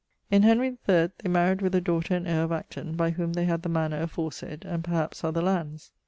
In Henry III they maried with a daughter and heire of Acton, by whom they had the mannor aforesayd and perhaps other lands.